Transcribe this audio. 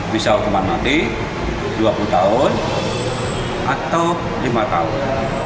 bisa hukuman mati dua puluh tahun atau lima tahun